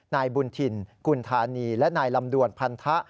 นายบุญถิ่นกุณธานีและนายลำดวนพันธะ